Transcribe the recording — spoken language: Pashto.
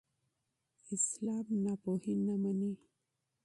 اسلام ناپوهي نه مني.